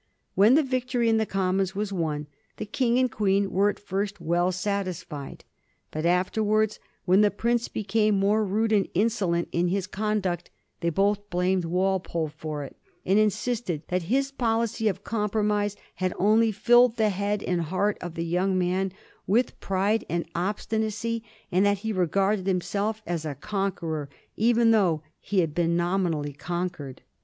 When the victory in the Com mons was won, the King and Queen were at first well sat isfied; but afterwards, when the prince became more rude and insolent in his conduct, they both blamed Walpole for it, and insisted that his policy of compromise had only filled the head and heart of the young man with pride and obstinacy, and that he regarded himself as a con queror, even though he had been nominally conquered.